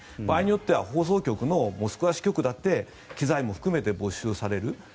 場合によっては放送局のモスクワ支局だって機材も含めて没収される。